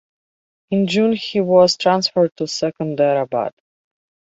In June he was transferred to Secunderabad.